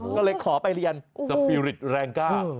ก็เลยขอไปเรียนสปีริตแรงกล้า